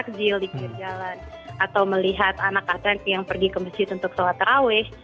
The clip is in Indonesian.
makjil dikirjalan atau melihat anak anak yang pergi ke masjid untuk sholat raweh